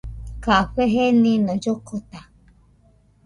Café jenino llokota